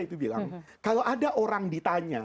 itu bilang kalau ada orang ditanya